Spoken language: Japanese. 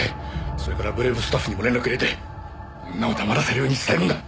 それからブレイブスタッフにも連絡入れて女を黙らせるように伝えるんだ。